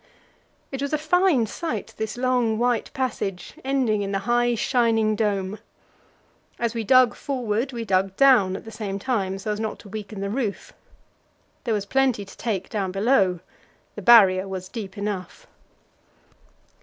It was a fine sight, this long, white passage, ending in the high, shining dome. As we dug forward, we dug down at the same time so as not to weaken the roof. There was plenty to take down below; the Barrier was deep enough.